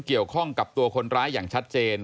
เกี่ยวข้องกับตัวคนร้ายอย่างชัดเจน